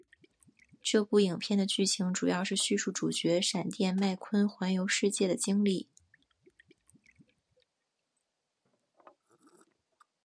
这部影片的剧情主要是叙述主角闪电麦坤环游世界的经历。